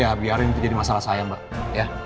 ya biarin itu jadi masalah saya mbak